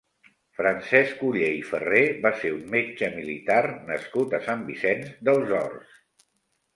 Francesc Oller i Ferrer va ser un metge militar nascut a Sant Vicenç dels Horts.